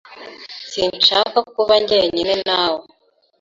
Sinshaka kuba njyenyine nawe .